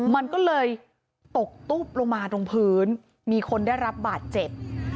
มันก็เลยตกตุ๊บลงมาตรงพื้นมีคนได้รับบาดเจ็บ